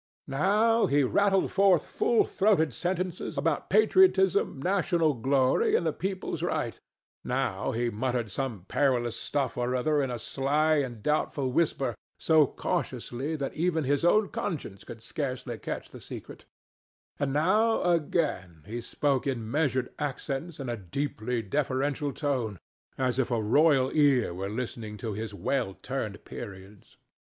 Now he rattled forth full throated sentences about patriotism, national glory and the people's right; now he muttered some perilous stuff or other in a sly and doubtful whisper, so cautiously that even his own conscience could scarcely catch the secret; and now, again, he spoke in measured accents and a deeply deferential tone, as if a royal ear were listening to his well turned periods.